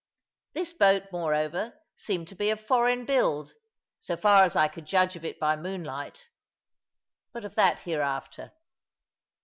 This boat, moreover, seemed to be of foreign build, so far as I could judge of it by moonlight: but of that hereafter.